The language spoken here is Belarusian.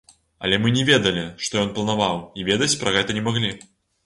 Але мы не ведалі, што ён планаваў, і ведаць пра гэта не маглі.